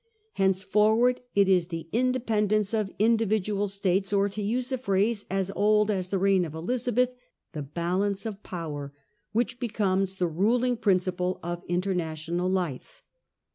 Henceforward it is the independence of individual states, or, to use a phrase as old as the reign of Elizabeth, the * Balance of Power,* which becomes the ruling principle of international life.